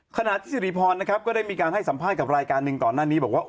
ขณะที่สิริพรนะครับก็ได้มีการให้สัมภาษณ์กับรายการหนึ่งก่อนหน้านี้บอกว่า